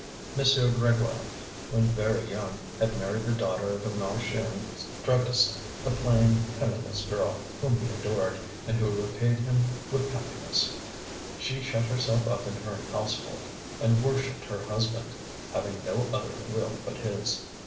M. Grégoire, when very young, had married the daughter of a Marchiennes druggist, a plain, penniless girl, whom he adored, and who repaid him with happiness. She shut herself up in her household, and worshipped her husband, having no other will but his.